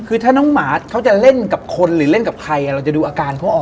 คือถ้าน้องหมาเขาจะเล่นกับคนหรือเล่นกับใครเราจะดูอาการเขาออก